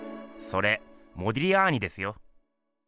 それモディリアーニですよ。